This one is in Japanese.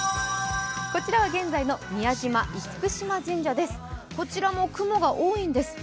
こちらは現在の宮島・厳島神社です。